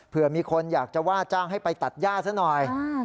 เพื่อมีคนอยากจะว่าจ้างให้ไปตัดย่าซะหน่อย